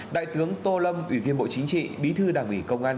đại tướng tô lâm ủy viên bộ chính trị bí thư đảng ủy công an